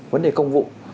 vấn đề công vụ